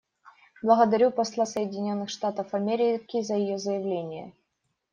Благодарю посла Соединенных Штатов Америки за ее заявление.